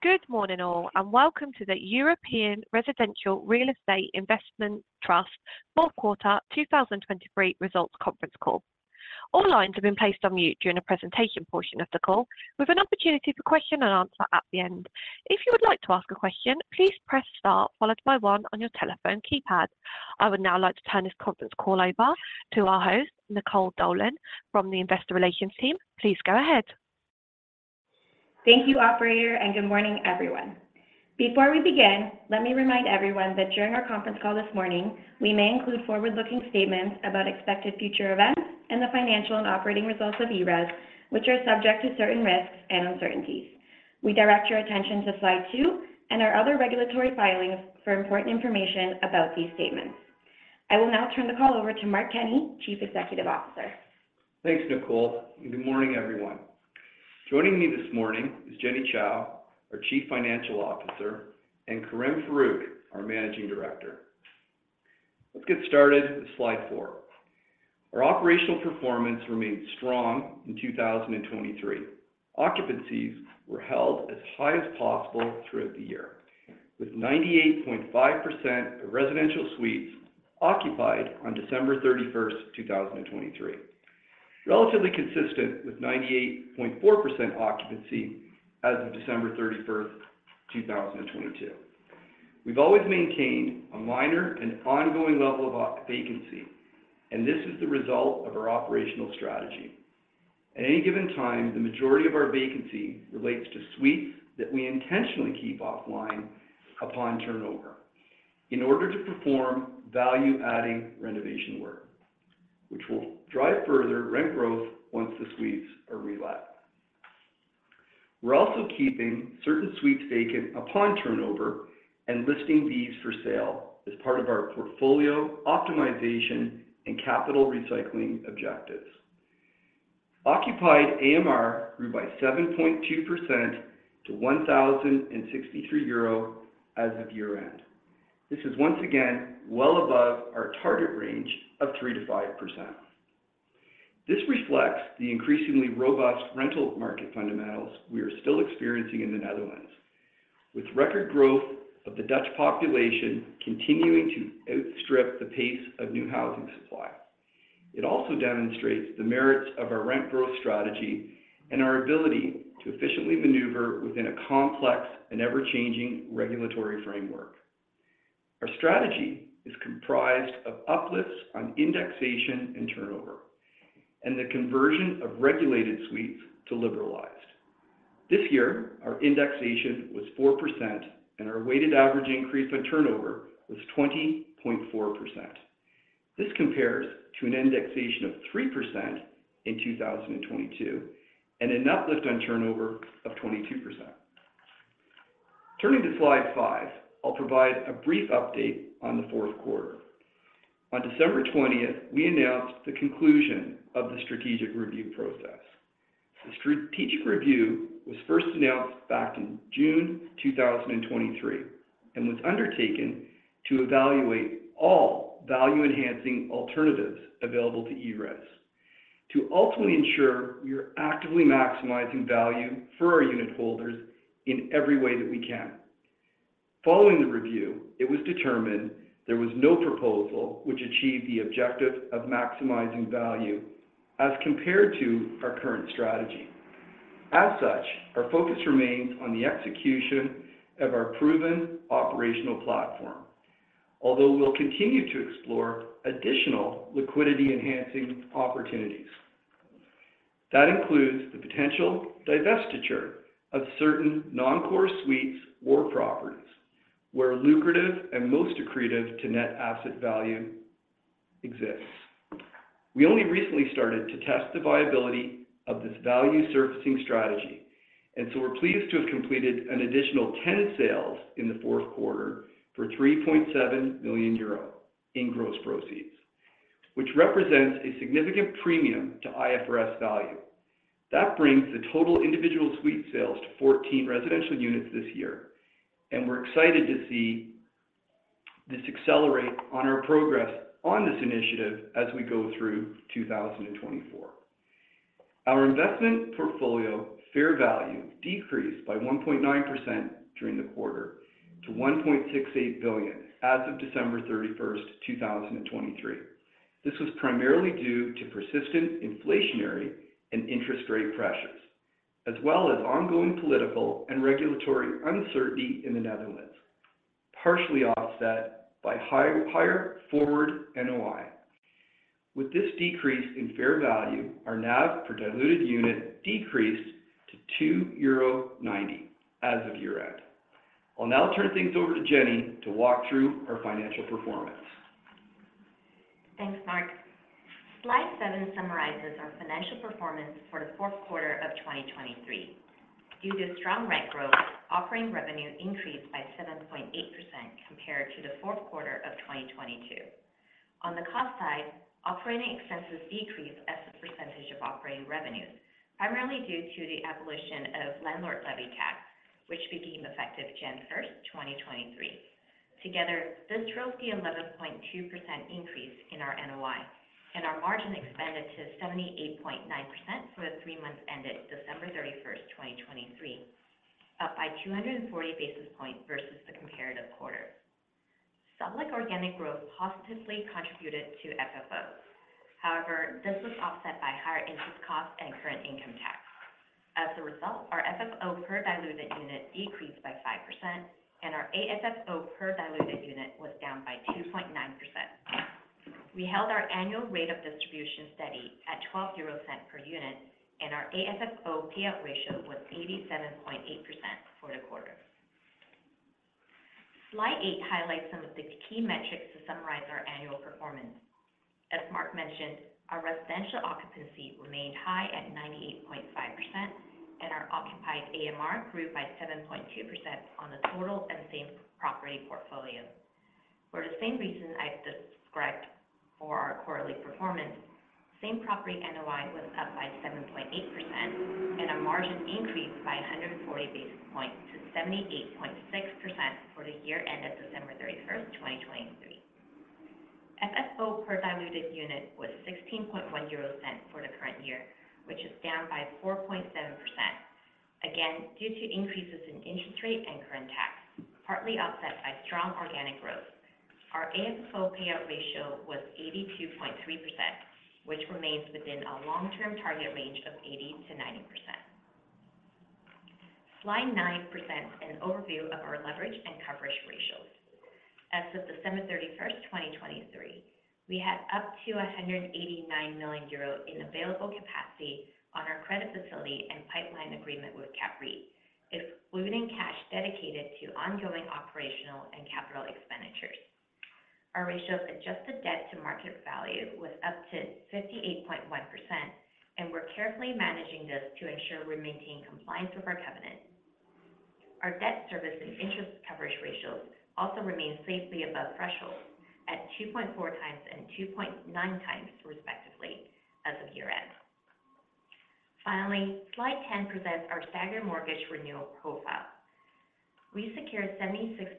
Good morning all, and welcome to the European Residential Real Estate Investment Trust fourth quarter 2023 results conference call. All lines have been placed on mute during the presentation portion of the call, with an opportunity for question and answer at the end. If you would like to ask a question, please press star followed by one on your telephone keypad. I would now like to turn this conference call over to our host, Nicole Dolan, from the Investor Relations team. Please go ahead. Thank you, operator, and good morning, everyone. Before we begin, let me remind everyone that during our conference call this morning, we may include forward-looking statements about expected future events and the financial and operating results of ERES, which are subject to certain risks and uncertainties. We direct your attention to slide two and our other regulatory filings for important information about these statements. I will now turn the call over to Mark Kenney, Chief Executive Officer. Thanks, Nicole. Good morning, everyone. Joining me this morning is Jenny Chou, our Chief Financial Officer, and Corinne Pruzanski, our Managing Director. Let's get started with slide four. Our operational performance remained strong in 2023. Occupancies were held as high as possible throughout the year, with 98.5% of residential suites occupied on December 31st, 2023, relatively consistent with 98.4% occupancy as of December 31st, 2022. We've always maintained a minor and ongoing level of vacancy, and this is the result of our operational strategy. At any given time, the majority of our vacancy relates to suites that we intentionally keep offline upon turnover in order to perform value-adding renovation work, which will drive further rent growth once the suites are re-let. We're also keeping certain suites vacant upon turnover and listing these for sale as part of our portfolio optimization and capital recycling objectives. Occupied AMR grew by 7.2% to 1,063 euro as of year-end. This is once again well above our target range of 3%-5%. This reflects the increasingly robust rental market fundamentals we are still experiencing in the Netherlands, with record growth of the Dutch population continuing to outstrip the pace of new housing supply. It also demonstrates the merits of our rent growth strategy and our ability to efficiently maneuver within a complex and ever-changing regulatory framework. Our strategy is comprised of uplifts on indexation and turnover, and the conversion of regulated suites to liberalized. This year, our indexation was 4%, and our weighted average increase on turnover was 20.4%. This compares to an indexation of 3% in 2022 and an uplift on turnover of 22%. Turning to slide five, I'll provide a brief update on the fourth quarter. On December 20th, we announced the conclusion of the strategic review process. The strategic review was first announced back in June 2023 and was undertaken to evaluate all value-enhancing alternatives available to ERES to ultimately ensure we are actively maximizing value for our unit holders in every way that we can. Following the review, it was determined there was no proposal which achieved the objective of maximizing value as compared to our current strategy. As such, our focus remains on the execution of our proven operational platform, although we'll continue to explore additional liquidity-enhancing opportunities. That includes the potential divestiture of certain non-core suites or properties, where lucrative and most accretive to net asset value exists. We only recently started to test the viability of this value surfacing strategy, and so we're pleased to have completed an additional 10 sales in the fourth quarter for 3.7 million euro in gross proceeds, which represents a significant premium to IFRS value. That brings the total individual suite sales to 14 residential units this year, and we're excited to see this accelerate on our progress on this initiative as we go through 2024. Our investment portfolio fair value decreased by 1.9% during the quarter to 1.68 billion as of December 31st, 2023. This was primarily due to persistent inflationary and interest rate pressures, as well as ongoing political and regulatory uncertainty in the Netherlands, partially offset by higher forward NOI. With this decrease in fair value, our NAV per diluted unit decreased to 2.90 euro as of year-end. I'll now turn things over to Jenny to walk through our financial performance. Thanks, Mark. Slide seven summarizes our financial performance for the fourth quarter of 2023. Due to strong rent growth, operating revenue increased by 7.8% compared to the fourth quarter of 2022. On the cost side, operating expenses decreased as a percentage of operating revenue, primarily due to the abolition of Landlord Levy Tax, which became effective January 1st, 2023. Together, this drove the 11.2% increase in our NOI, and our margin expanded to 78.9% for the three months ended December 31st, 2023, up by 240 basis points versus the comparative quarter. Solid organic growth positively contributed to FFO. However, this was offset by higher interest costs and current income tax. As a result, our FFO per diluted unit decreased by 5%, and our AFFO per diluted unit was down by 2.9%. We held our annual rate of distribution steady at 1.20 euro per unit, and our AFFO payout ratio was 87.8% for the quarter. Slide eight highlights some of the key metrics to summarize our annual performance. As Mark mentioned, our residential occupancy remained high at 98.5%, and our occupied AMR grew by 7.2% on the total and same property portfolio. For the same reasons I've described for our quarterly performance, same property NOI was up by 7.8%, and our margin increased by 140 basis points to 78.6% for the year-end at December 31st, 2023. FFO per diluted unit was 0.1610 for the current year, which is down by 4.7%, again due to increases in interest rate and current tax, partly offset by strong organic growth. Our AFFO payout ratio was 82.3%, which remains within a long-term target range of 80%-90%. Slide nine presents an overview of our leverage and coverage ratios. As of December 31st, 2023, we had up to 189 million euro in available capacity on our credit facility and pipeline agreement with CAPREIT, including cash dedicated to ongoing operational and capital expenditures. Our ratio of adjusted debt to market value was up to 58.1%, and we're carefully managing this to ensure we maintain compliance with our covenant. Our debt service and interest coverage ratios also remain safely above thresholds at 2.4 times and 2.9 times, respectively, as of year-end. Finally, slide 10 presents our staggered mortgage renewal profile. We secured 76.5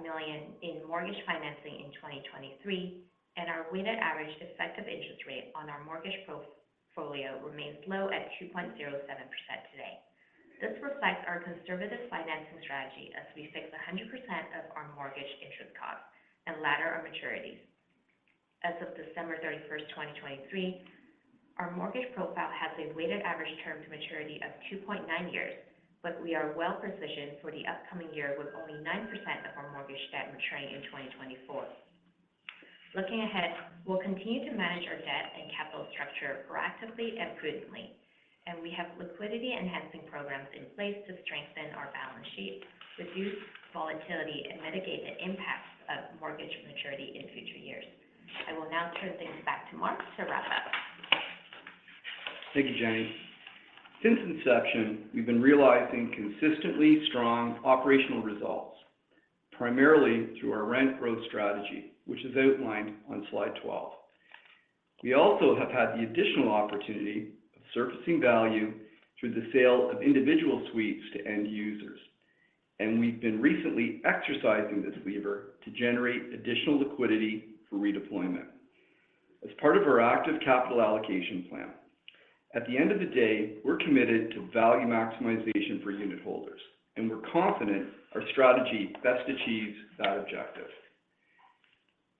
million in mortgage financing in 2023, and our weighted average effective interest rate on our mortgage portfolio remains low at 2.07% today. This reflects our conservative financing strategy as we fix 100% of our mortgage interest costs and ladder our maturities. As of December 31st, 2023, our mortgage profile has a weighted average term to maturity of 2.9 years, but we are well-positioned for the upcoming year with only 9% of our mortgage debt maturing in 2024. Looking ahead, we'll continue to manage our debt and capital structure proactively and prudently, and we have liquidity-enhancing programs in place to strengthen our balance sheet, reduce volatility, and mitigate the impacts of mortgage maturity in future years. I will now turn things back to Mark to wrap up. Thank you, Jenny. Since inception, we've been realizing consistently strong operational results, primarily through our rent growth strategy, which is outlined on slide 12. We also have had the additional opportunity of surfacing value through the sale of individual suites to end users, and we've been recently exercising this lever to generate additional liquidity for redeployment as part of our active capital allocation plan. At the end of the day, we're committed to value maximization for unit holders, and we're confident our strategy best achieves that objective.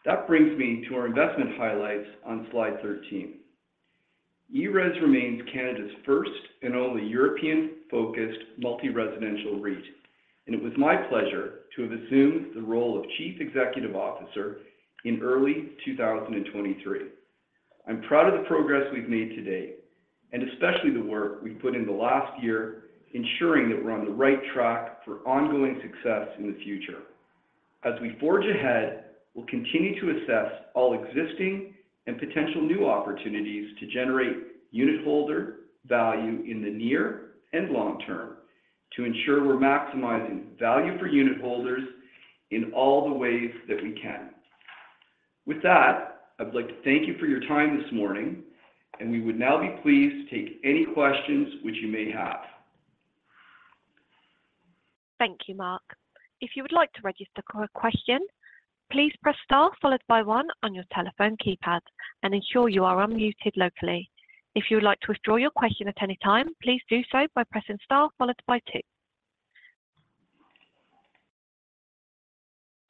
That brings me to our investment highlights on slide 13. ERES remains Canada's first and only European-focused multi-residential REIT, and it was my pleasure to have assumed the role of Chief Executive Officer in early 2023. I'm proud of the progress we've made today, and especially the work we've put in the last year ensuring that we're on the right track for ongoing success in the future. As we forge ahead, we'll continue to assess all existing and potential new opportunities to generate unit holder value in the near and long term to ensure we're maximizing value for unit holders in all the ways that we can. With that, I'd like to thank you for your time this morning, and we would now be pleased to take any questions which you may have. Thank you, Mark. If you would like to register for a question, please press star followed by one on your telephone keypad and ensure you are unmuted locally. If you would like to withdraw your question at any time, please do so by pressing star followed by two.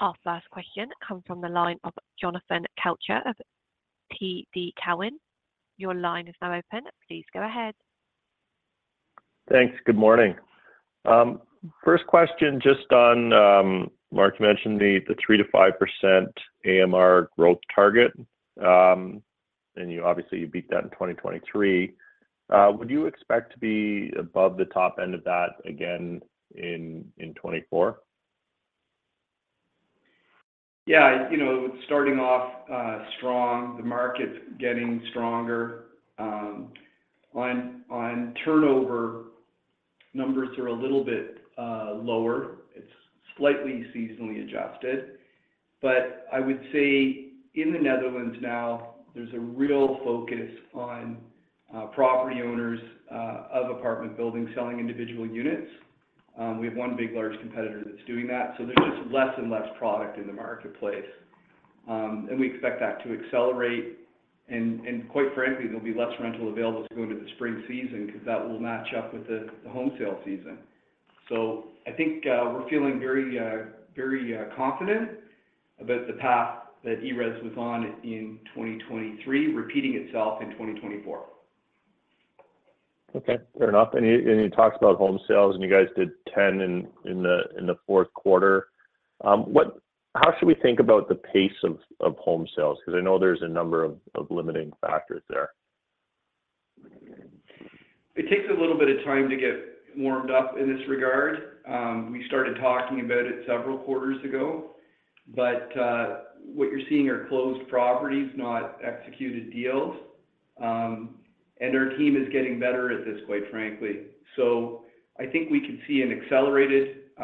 Our first question comes from the line of Jonathan Kelcher, of TD Cowen. Your line is now open. Please go ahead. Thanks. Good morning. First question just on Mark, you mentioned the 3%-5% AMR growth target, and obviously, you beat that in 2023. Would you expect to be above the top end of that again in 2024? Yeah. Starting off strong, the market's getting stronger. On turnover, numbers are a little bit lower. It's slightly seasonally adjusted. But I would say in the Netherlands now, there's a real focus on property owners of apartment buildings selling individual units. We have one big, large competitor that's doing that, so there's just less and less product in the marketplace. And we expect that to accelerate. And quite frankly, there'll be less rental available as we go into the spring season because that will match up with the home sale season. So I think we're feeling very confident about the path that ERES was on in 2023 repeating itself in 2024. Okay. Fair enough. You talked about home sales, and you guys did 10 in the fourth quarter. How should we think about the pace of home sales? Because I know there's a number of limiting factors there. It takes a little bit of time to get warmed up in this regard. We started talking about it several quarters ago. But what you're seeing are closed properties, not executed deals. And our team is getting better at this, quite frankly. So I think we can see an accelerated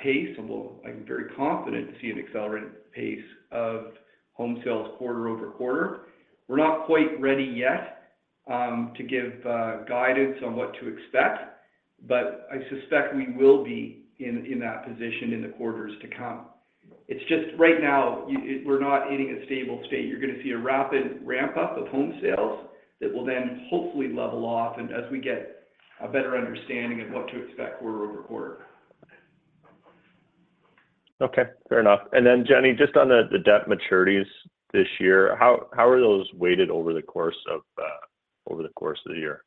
pace, and I'm very confident to see an accelerated pace of home sales quarter-over-quarter. We're not quite ready yet to give guidance on what to expect, but I suspect we will be in that position in the quarters to come. It's just right now, we're not hitting a stable state. You're going to see a rapid ramp-up of home sales that will then hopefully level off as we get a better understanding of what to expect quarter-over-quarter. Okay. Fair enough. And then, Jenny, just on the debt maturities this year, how are those weighted over the course of the year,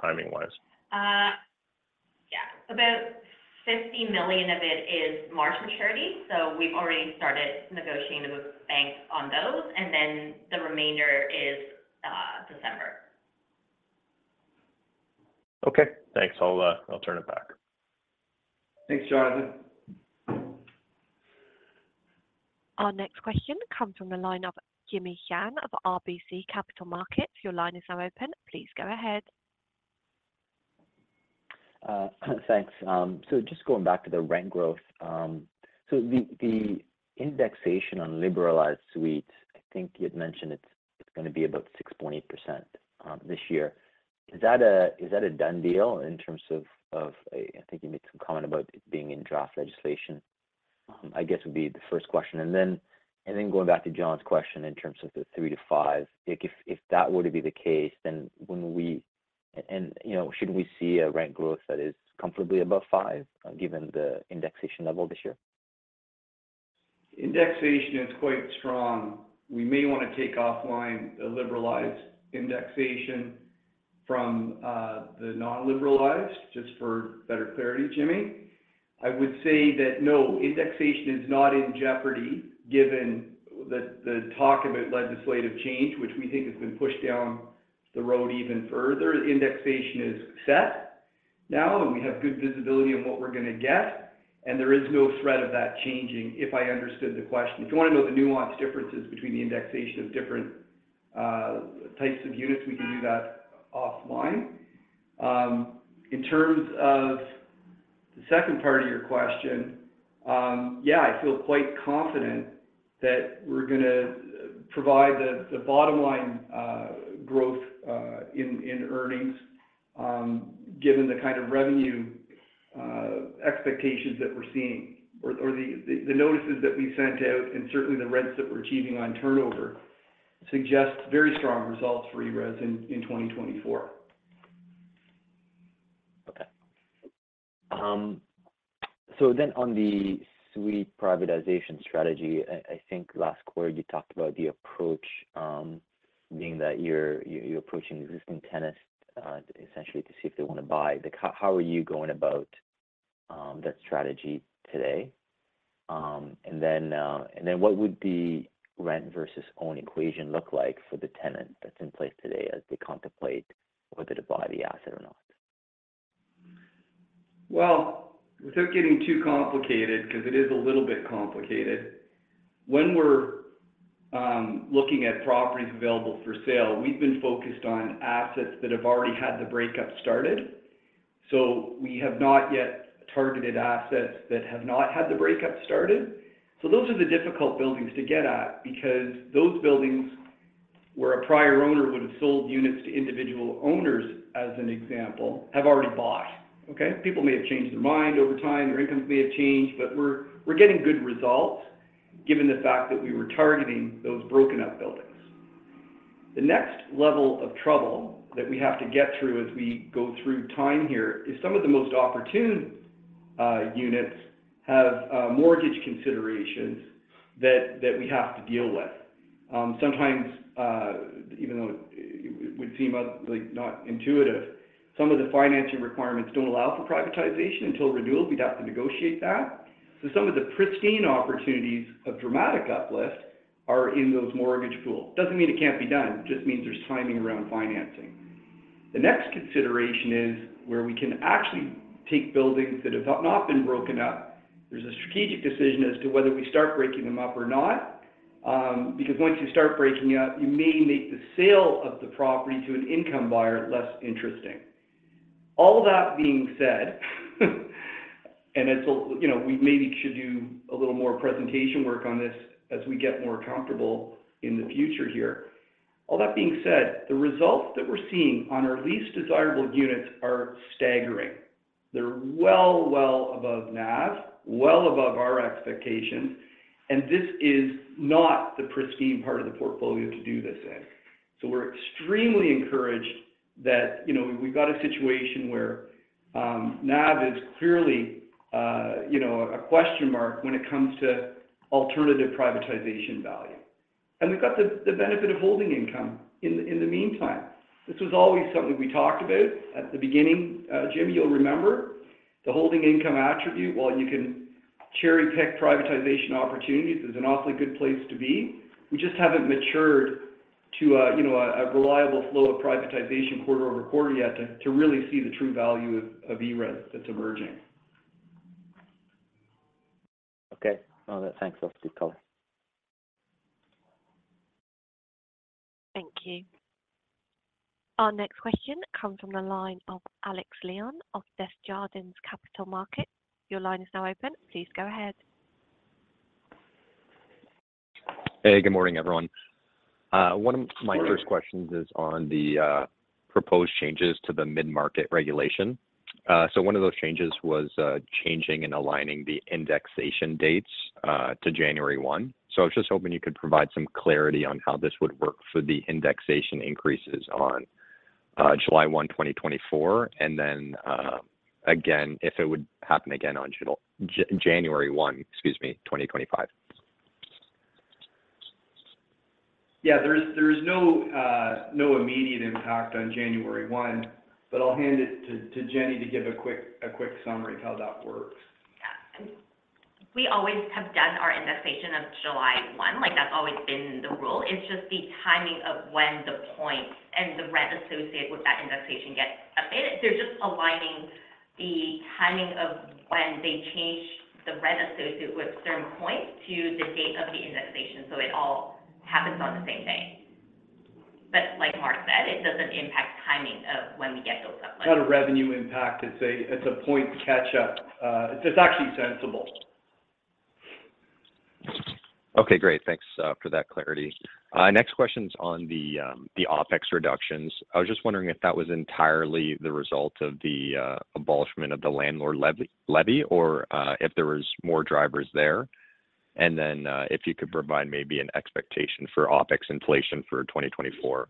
timing-wise? Yeah. About 50 million of it is March maturity, so we've already started negotiating with banks on those, and then the remainder is December. Okay. Thanks. I'll turn it back. Thanks, Jonathan. Our next question comes from the line of Jimmy Shan of RBC Capital Markets. Your line is now open. Please go ahead. Thanks. So just going back to the rent growth, so the indexation on liberalized suites, I think you had mentioned it's going to be about 6.8% this year. Is that a done deal in terms of I think you made some comment about it being in draft legislation? I guess would be the first question. And then going back to Jon's question in terms of the 3%-5%, if that were to be the case, then when we and shouldn't we see a rent growth that is comfortably above 5% given the indexation level this year? Indexation is quite strong. We may want to take offline the liberalized indexation from the non-liberalized, just for better clarity, Jimmy. I would say that, no, indexation is not in jeopardy given the talk about legislative change, which we think has been pushed down the road even further. Indexation is set now, and we have good visibility on what we're going to get. And there is no threat of that changing, if I understood the question. If you want to know the nuanced differences between the indexation of different types of units, we can do that offline. In terms of the second part of your question, yeah, I feel quite confident that we're going to provide the bottom-line growth in earnings given the kind of revenue expectations that we're seeing. Or the notices that we sent out, and certainly the rents that we're achieving on turnover, suggest very strong results for ERES in 2024. Okay. On the suite privatization strategy, I think last quarter, you talked about the approach being that you're approaching existing tenants, essentially, to see if they want to buy. How are you going about that strategy today? What would the rent versus own equation look like for the tenant that's in place today as they contemplate whether to buy the asset or not? Well, without getting too complicated because it is a little bit complicated, when we're looking at properties available for sale, we've been focused on assets that have already had the breakup started. So we have not yet targeted assets that have not had the breakup started. So those are the difficult buildings to get at because those buildings where a prior owner would have sold units to individual owners, as an example, have already bought. Okay? People may have changed their mind over time. Their incomes may have changed, but we're getting good results given the fact that we were targeting those broken-up buildings. The next level of trouble that we have to get through as we go through time here is some of the most opportune units have mortgage considerations that we have to deal with. Sometimes, even though it would seem not intuitive, some of the financing requirements don't allow for privatization until renewal. We'd have to negotiate that. So some of the pristine opportunities of dramatic uplift are in those mortgage pool. Doesn't mean it can't be done. It just means there's timing around financing. The next consideration is where we can actually take buildings that have not been broken up. There's a strategic decision as to whether we start breaking them up or not because once you start breaking up, you may make the sale of the property to an income buyer less interesting. All that being said, and we maybe should do a little more presentation work on this as we get more comfortable in the future here, all that being said, the results that we're seeing on our least desirable units are staggering. They're well, well above NAV, well above our expectations, and this is not the pristine part of the portfolio to do this in. So we're extremely encouraged that we've got a situation where NAV is clearly a question mark when it comes to alternative privatization value. And we've got the benefit of holding income in the meantime. This was always something we talked about at the beginning, Jimmy. You'll remember the holding income attribute. Well, you can cherry-pick privatization opportunities. It's an awfully good place to be. We just haven't matured to a reliable flow of privatization quarter-over-quarter yet to really see the true value of ERES that's emerging. Okay. All right. Thanks. Off to the caller. Thank you. Our next question comes from the line of Alex Leon of Desjardins Capital Markets. Your line is now open. Please go ahead. Hey. Good morning, everyone. One of my first questions is on the proposed changes to the mid-market regulation. So one of those changes was changing and aligning the indexation dates to January 1. So I was just hoping you could provide some clarity on how this would work for the indexation increases on July 1, 2024, and then again, if it would happen again on January 1, excuse me, 2025? Yeah. There is no immediate impact on January 1, but I'll hand it to Jenny to give a quick summary of how that works. Yeah. We always have done our indexation of July 1. That's always been the rule. It's just the timing of when the points and the rent associated with that indexation get updated. They're just aligning the timing of when they change the rent associated with certain points to the date of the indexation so it all happens on the same day. But like Mark said, it doesn't impact timing of when we get those uploads. Not a revenue impact. It's a points catch-up. It's actually sensible. Okay. Great. Thanks for that clarity. Next question's on the OpEx reductions. I was just wondering if that was entirely the result of the abolishment of the landlord levy or if there was more drivers there, and then if you could provide maybe an expectation for OpEx inflation for 2024.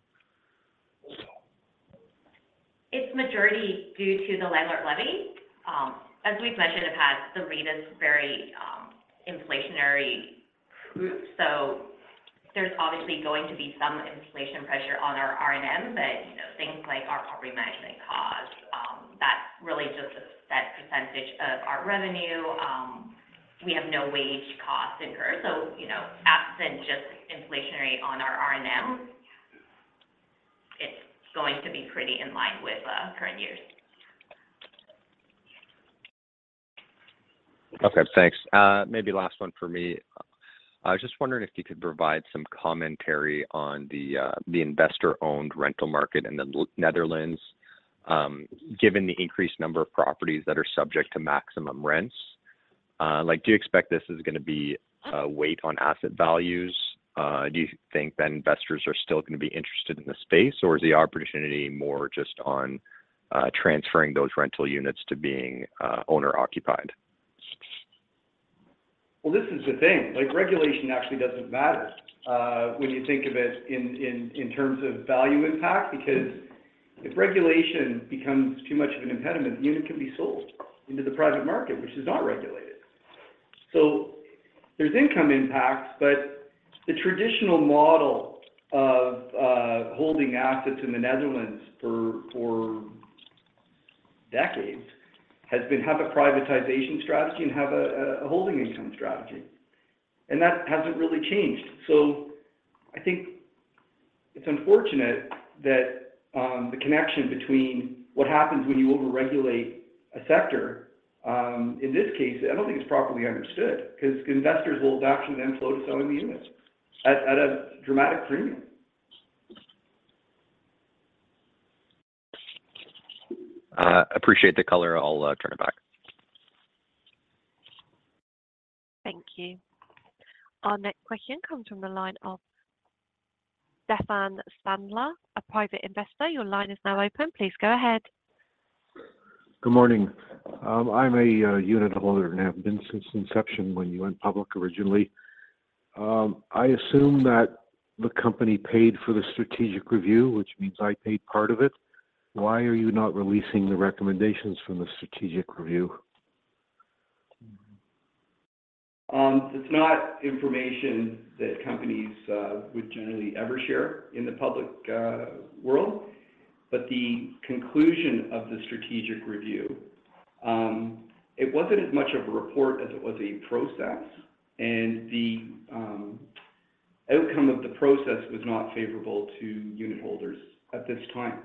It's majority due to the landlord levy. As we've mentioned in the past, the REIT is very inflationary-proof. So there's obviously going to be some inflation pressure on our R&M, but things like our property management costs, that's really just a set percentage of our revenue. We have no wage cost incurred. So absent just inflationary on our R&M, it's going to be pretty in line with current years. Okay. Thanks. Maybe last one for me. I was just wondering if you could provide some commentary on the investor-owned rental market in the Netherlands. Given the increased number of properties that are subject to maximum rents, do you expect this is going to be a weight on asset values? Do you think that investors are still going to be interested in the space, or is the opportunity more just on transferring those rental units to being owner-occupied? Well, this is the thing. Regulation actually doesn't matter when you think of it in terms of value impact because if regulation becomes too much of an impediment, the unit can be sold into the private market, which is not regulated. So there's income impacts, but the traditional model of holding assets in the Netherlands for decades has been to have a privatization strategy and have a holding income strategy. And that hasn't really changed. So I think it's unfortunate that the connection between what happens when you overregulate a sector, in this case, I don't think it's properly understood because investors will actually then flow to selling the units at a dramatic premium. Appreciate the color. I'll turn it back. Thank you. Our next question comes from the line of Stephen Spandler, a private investor. Your line is now open. Please go ahead. Good morning. I'm a unit holder and have been since inception when you went public originally. I assume that the company paid for the strategic review, which means I paid part of it. Why are you not releasing the recommendations from the strategic review? It's not information that companies would generally ever share in the public world. The conclusion of the strategic review, it wasn't as much of a report as it was a process, and the outcome of the process was not favorable to unit holders at this time.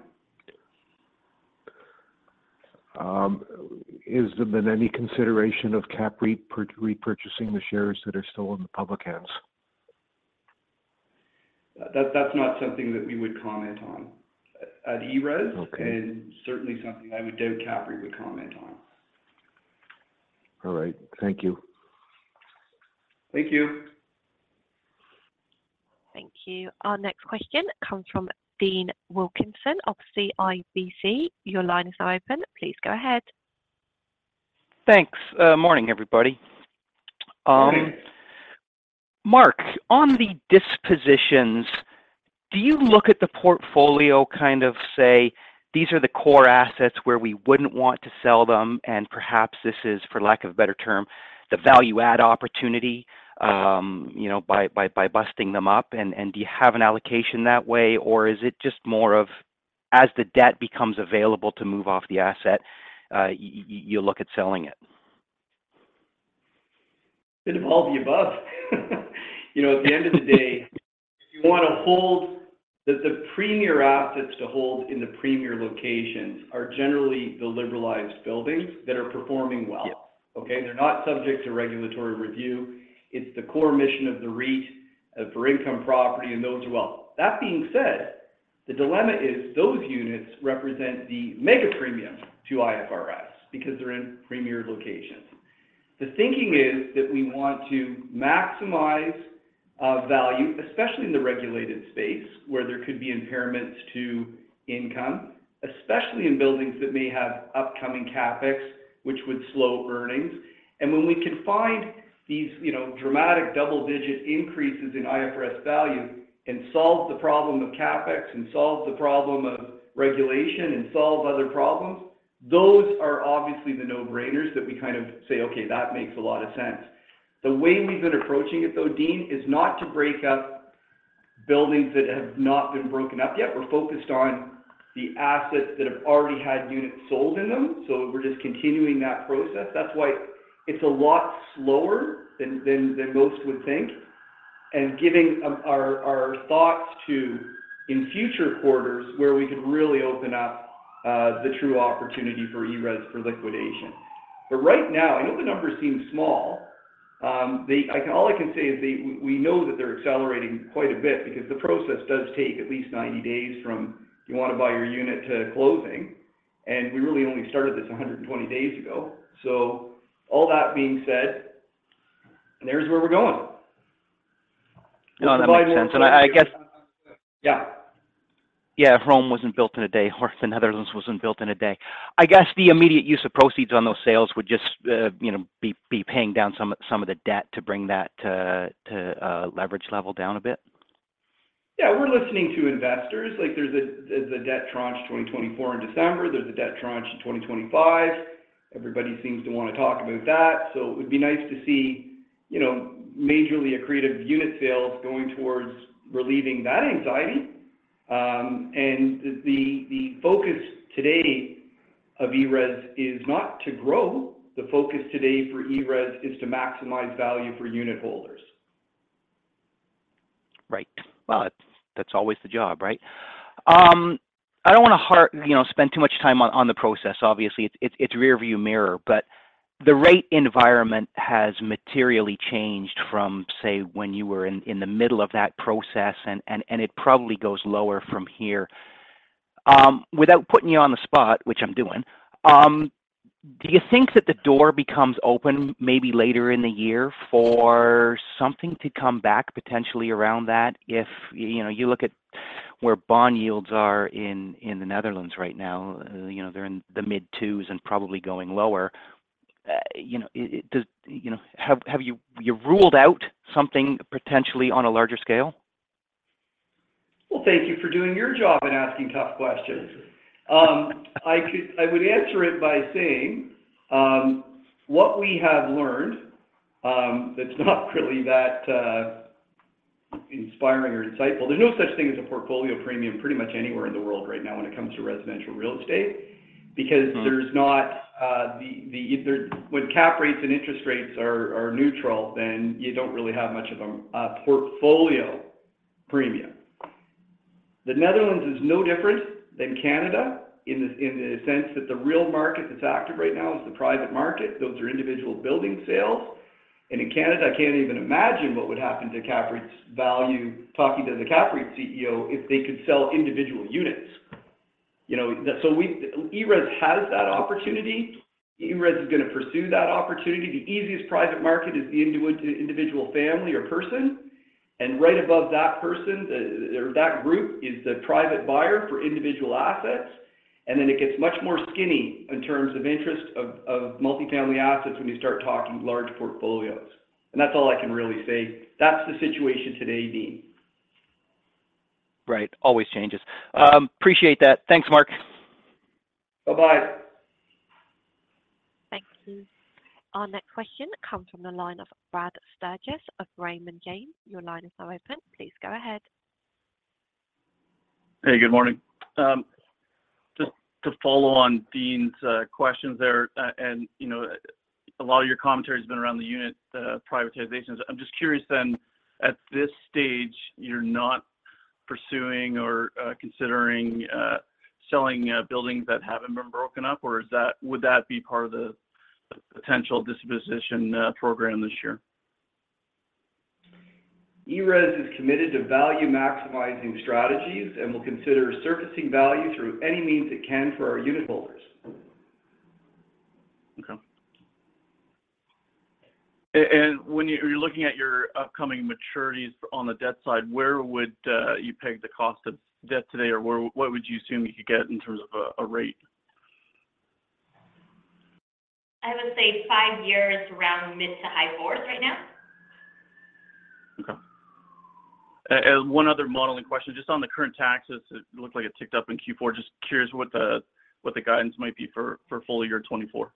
Has there been any consideration of CAPREIT repurchasing the shares that are still in the public hands? That's not something that we would comment on at ERES and certainly something I would doubt CAPREIT would comment on. All right. Thank you. Thank you. Thank you. Our next question comes from Dean Wilkinson of CIBC. Your line is now open. Please go ahead. Thanks. Morning, everybody. Mark, on the dispositions, do you look at the portfolio kind of say, "These are the core assets where we wouldn't want to sell them, and perhaps this is, for lack of a better term, the value-add opportunity by busting them up"? And do you have an allocation that way, or is it just more of, as the debt becomes available to move off the asset, you'll look at selling it? A bit of all of the above. At the end of the day, if you want to hold, the premier assets to hold in the premier locations are generally the liberalized buildings that are performing well. Okay? They're not subject to regulatory review. It's the core mission of the REIT for income property, and those are well. That being said, the dilemma is those units represent the mega premium to IFRS because they're in premier locations. The thinking is that we want to maximize value, especially in the regulated space where there could be impairments to income, especially in buildings that may have upcoming CapEx, which would slow earnings. And when we can find these dramatic double-digit increases in IFRS value and solve the problem of CapEx and solve the problem of regulation and solve other problems, those are obviously the no-brainers that we kind of say, "Okay. That makes a lot of sense." The way we've been approaching it, though, Dean, is not to break up buildings that have not been broken up yet. We're focused on the assets that have already had units sold in them. So we're just continuing that process. That's why it's a lot slower than most would think and giving our thoughts to in future quarters where we could really open up the true opportunity for ERES for liquidation. But right now, I know the numbers seem small. All I can say is we know that they're accelerating quite a bit because the process does take at least 90 days from you want to buy your unit to closing. And we really only started this 120 days ago. So all that being said, there's where we're going. No, that makes sense. I guess. Yeah. Yeah. Rome wasn't built in a day. The Netherlands wasn't built in a day. I guess the immediate use of proceeds on those sales would just be paying down some of the debt to bring that leverage level down a bit. Yeah. We're listening to investors. There's the debt tranche 2024 in December. There's the debt tranche in 2025. Everybody seems to want to talk about that. So it would be nice to see majorly accretive unit sales going towards relieving that anxiety. And the focus today of ERES is not to grow. The focus today for ERES is to maximize value for unit holders. Right. Well, that's always the job, right? I don't want to spend too much time on the process, obviously. It's rearview mirror. But the rate environment has materially changed from, say, when you were in the middle of that process, and it probably goes lower from here. Without putting you on the spot, which I'm doing, do you think that the door becomes open maybe later in the year for something to come back potentially around that? If you look at where bond yields are in the Netherlands right now, they're in the mid-twos and probably going lower. Have you ruled out something potentially on a larger scale? Well, thank you for doing your job and asking tough questions. I would answer it by saying what we have learned, that's not really that inspiring or insightful. There's no such thing as a portfolio premium pretty much anywhere in the world right now when it comes to residential real estate because there's not the when cap rates and interest rates are neutral, then you don't really have much of a portfolio premium. The Netherlands is no different than Canada in the sense that the real market that's active right now is the private market. Those are individual building sales. And in Canada, I can't even imagine what would happen to CAPREIT's value talking to the CAPREIT CEO if they could sell individual units. So ERES has that opportunity. ERES is going to pursue that opportunity. The easiest private market is the individual family or person. Right above that person or that group is the private buyer for individual assets. Then it gets much more skinny in terms of interest of multifamily assets when you start talking large portfolios. That's all I can really say. That's the situation today, Dean. Right. Always changes. Appreciate that. Thanks, Mark. Bye-bye. Thank you. Our next question comes from the line of Brad Sturges of Raymond James. Your line is now open. Please go ahead. Hey. Good morning. Just to follow on Dean's questions there, and a lot of your commentary has been around the unit privatizations. I'm just curious then, at this stage, you're not pursuing or considering selling buildings that haven't been broken up, or would that be part of the potential disposition program this year? ERES is committed to value-maximizing strategies and will consider surfacing value through any means it can for our unit holders. Okay. When you're looking at your upcoming maturities on the debt side, where would you peg the cost of debt today, or what would you assume you could get in terms of a rate? I would say five years around mid- to high 40s right now. Okay. And one other modeling question. Just on the current taxes, it looked like it ticked up in Q4. Just curious what the guidance might be for full year 2024?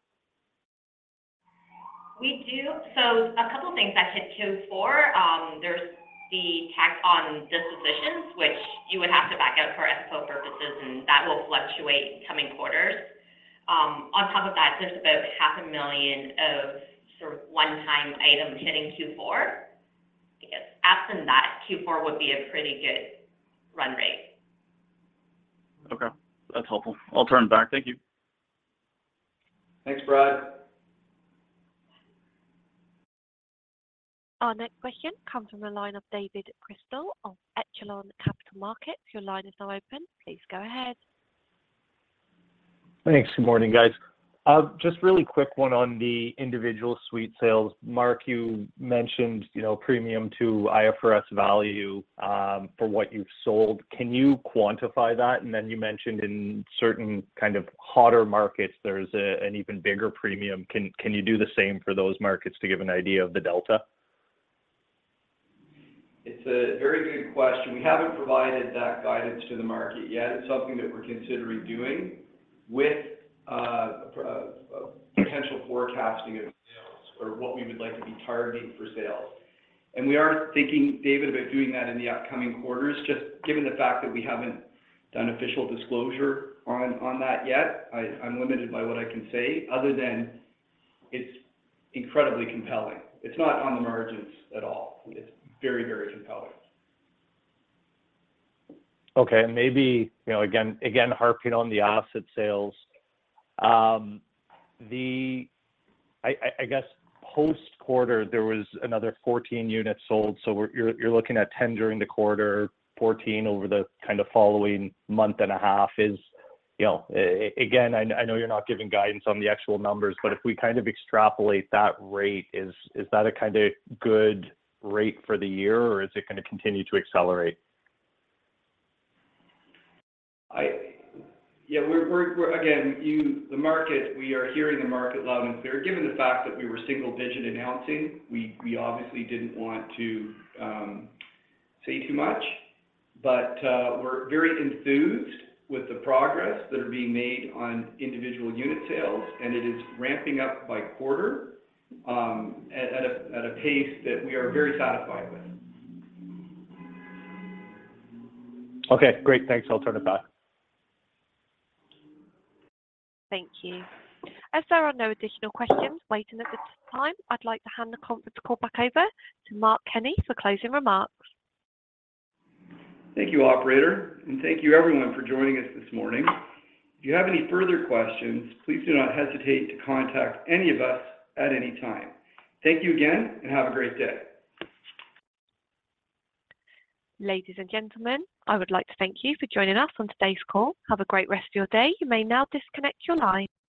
A couple of things that hit Q4. There's the tax on dispositions, which you would have to back out for FFO purposes, and that will fluctuate coming quarters. On top of that, there's about 500,000 of sort of one-time items hitting Q4. I guess absent that, Q4 would be a pretty good run rate. Okay. That's helpful. I'll turn it back. Thank you. Thanks, Brad. Our next question comes from the line of David Chrystal of Echelon Capital Markets. Your line is now open. Please go ahead. Thanks. Good morning, guys. Just really quick one on the individual suite sales. Mark, you mentioned premium to IFRS value for what you've sold. Can you quantify that? And then you mentioned in certain kind of hotter markets, there's an even bigger premium. Can you do the same for those markets to give an idea of the delta? It's a very good question. We haven't provided that guidance to the market yet. It's something that we're considering doing with a potential forecasting of sales or what we would like to be targeting for sales. And we are thinking, David, about doing that in the upcoming quarters. Just given the fact that we haven't done official disclosure on that yet, I'm limited by what I can say other than it's incredibly compelling. It's not on the margins at all. It's very, very compelling. Okay. And maybe, again, harping on the asset sales, I guess post-quarter, there was another 14 units sold. So you're looking at 10 during the quarter. 14 over the kind of following month and a half is again, I know you're not giving guidance on the actual numbers, but if we kind of extrapolate that rate, is that a kind of good rate for the year, or is it going to continue to accelerate? Yeah. Again, we are hearing the market loud and clear. Given the fact that we were single-digit announcing, we obviously didn't want to say too much. But we're very enthused with the progress that are being made on individual unit sales, and it is ramping up by quarter at a pace that we are very satisfied with. Okay. Great. Thanks. I'll turn it back. Thank you. As there are no additional questions waiting at this time, I'd like to hand the conference call back over to Mark Kenney for closing remarks. Thank you, operator. Thank you, everyone, for joining us this morning. If you have any further questions, please do not hesitate to contact any of us at any time. Thank you again, and have a great day. Ladies and gentlemen, I would like to thank you for joining us on today's call. Have a great rest of your day. You may now disconnect your line.